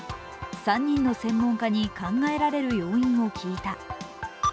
３人の専門家に考えられる要因を聞いた。